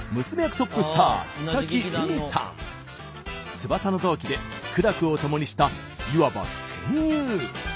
翼の同期で苦楽をともにしたいわば戦友。